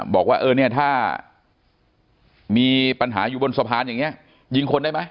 บอกว่าเฮ้านี่มีปัญหาอยู่บนสะพานอย่างนี้ยิงคนได้มั้ย